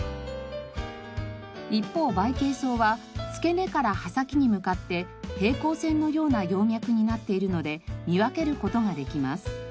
一方バイケイソウは付け根から葉先に向かって平行線のような葉脈になっているので見分ける事ができます。